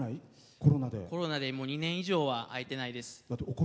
コロナでもう２年以上は会えてないです。